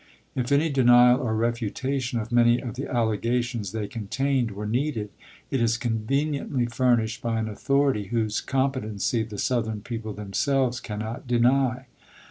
If any denial or refutation of many of the allegations they contained were needed, it is conveniently furnished by an authority whose com petency the Southern people themselves cannot deny.